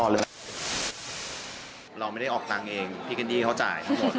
เราไม่ได้ออกตังค์เองพี่แคนดี้เขาจ่ายทั้งหมด